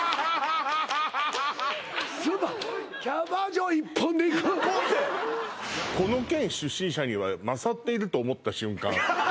キャバ嬢一本でいくのか「この県出身者には勝っていると思った瞬間」